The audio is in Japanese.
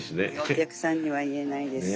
お客さんには言えないですし。